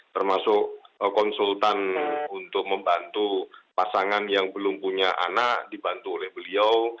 termasuk konsultan untuk membantu pasangan yang belum punya anak dibantu oleh beliau